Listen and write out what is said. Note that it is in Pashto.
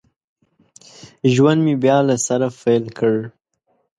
ژوند مې بیا له سره پیل کړ